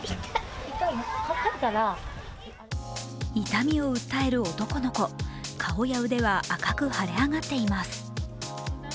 痛みを訴える男の子、顔や腕は赤く腫れ上がっています。